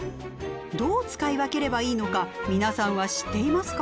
どう使い分ければいいのか皆さんは知っていますか？